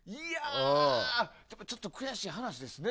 ちょっと悔しい話ですね。